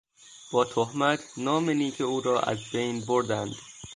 با تهمت نام نیک او را از بین بردند.